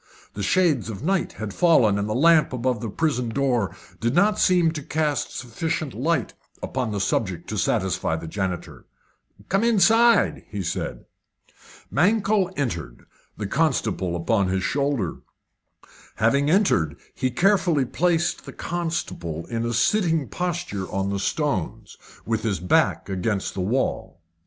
The shades of night had fallen, and the lamp above the prison door did not seem to cast sufficient light upon the subject to satisfy the janitor. "Come inside," he said. Mankell entered, the constable upon his shoulder. Having entered, he carefully placed the constable in a sitting posture on the stones, with his back against the wall.